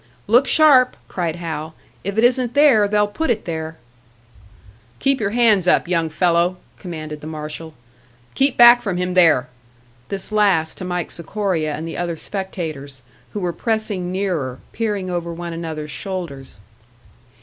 "Look sharp!" cried Hal. "If it isn't there, they'll put it there." "Keep your hands up, young fellow," commanded the marshal. "Keep back from him there!" This last to Mike Sikoria and the other spectators, who were pressing nearer, peering over one another's shoulders.